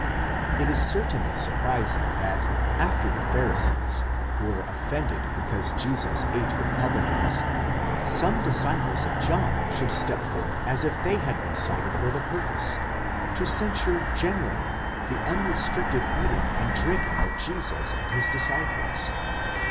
It is certainly surprising that after the Pharisees, who were offended because Jesus ate with publicans, some disciples of John should step forth as if they had been cited for the purpose, to censure generally the unrestricted eating and drinking of Jesus and his disciples.